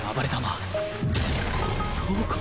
そうか！